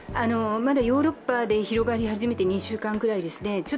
まだヨーロッパで広がり始めて２週間ぐらいですね。